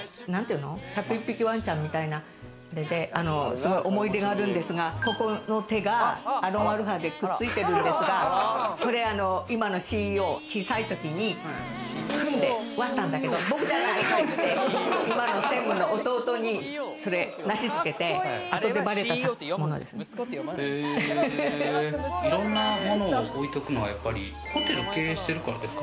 １０１匹わんちゃんみたいな、すごい思い出があるんですが、ここの手がアロンアルフアでくっついてるんですが、今のＣＥＯ、小さいときに踏んで割ったんだけれども、僕じゃないって言って、今の専務の弟にいろんなものを置いとくのはホテルを経営しているからですか？